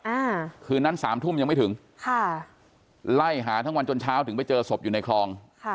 อ่าคืนนั้นสามทุ่มยังไม่ถึงค่ะไล่หาทั้งวันจนเช้าถึงไปเจอศพอยู่ในคลองค่ะ